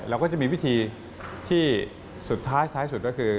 เราก็จะมีวิธีที่สุดท้ายท้ายสุดก็คือ